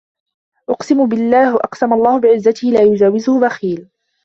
أَقْسَمَ اللَّهُ بِعِزَّتِهِ لَا يُجَاوِرُهُ بَخِيلٌ